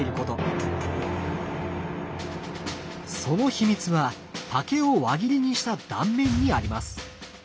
その秘密は竹を輪切りにした断面にあります。